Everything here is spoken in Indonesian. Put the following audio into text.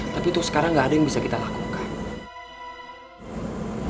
tapi untuk sekarang nggak ada yang bisa kita lakukan